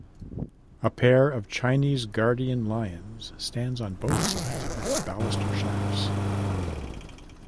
A pair of Chinese guardian lions stands on both sides of its baluster shafts.